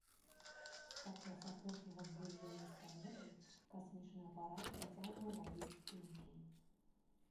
Падчас апошняга збліжэння з каметай касмічны апарат працягваў рабіць здымкі.